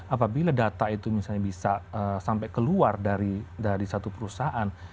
apabila data itu misalnya bisa sampai keluar dari satu perusahaan